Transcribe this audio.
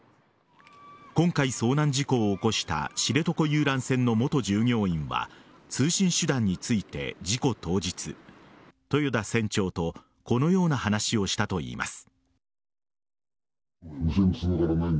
今回、遭難事故を起こした知床遊覧船の元従業員は通信手段について、事故当日豊田船長とこのような話をしたといいます。